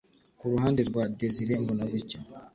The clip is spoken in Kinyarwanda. Ku ruhande rwa Désiré Mbonabucya